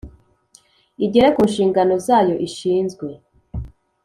igere ku nshingano zayo ishinzwe